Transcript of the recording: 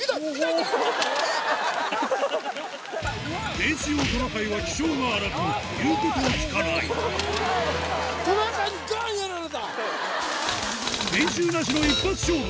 レース用トナカイは気性が荒く言うことを聞かない練習なしの一発勝負！